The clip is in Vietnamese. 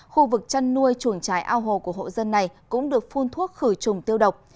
khu vực chăn nuôi chuồng trái ao hồ của hộ dân này cũng được phun thuốc khử trùng tiêu độc